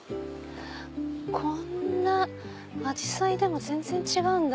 こんなアジサイでも全然違うんだ！